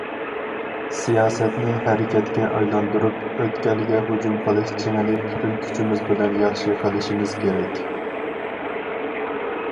سىياسەتنى ھەرىكەتكە ئايلاندۇرۇپ، ئۆتكەلگە ھۇجۇم قىلىش جېڭىنى پۈتۈن كۈچىمىز بىلەن ياخشى قىلىشىمىز كېرەك.